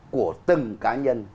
của từng cá nhân